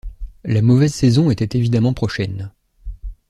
La mauvaise saison était évidemment prochaine.